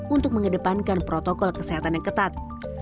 untuk mengedepankan protokol kesehatan yang ketat